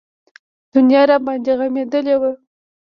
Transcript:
دنيا راباندې غمېدلې وه.